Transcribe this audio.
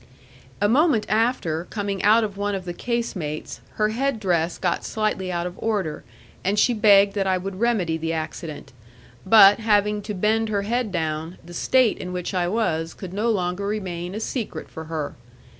A moment after, coming out of one of the casemates, her head dress got slightly out of order, and she begged that I would remedy the accident, but, having to bend her head down, the state in which I was could no longer remain a secret for her.